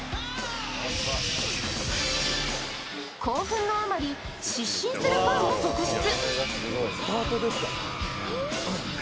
興奮のあまり失神するファンも続出。